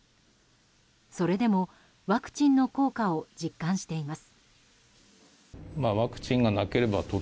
それでも、ワクチンの効果を実感しています。